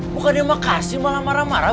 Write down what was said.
bukan dia mau kasih malah marah marah